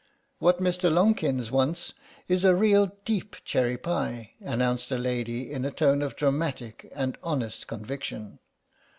"What Mr. Lonkins wants is a real deep cherry pie," announced a lady in a tone of dramatic and honest conviction.